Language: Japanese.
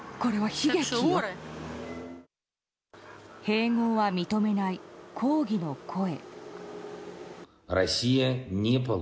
併合は認めない、抗議の声。